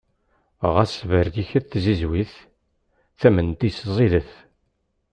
Ɣas berriket tzizwit, tament-is ẓidet.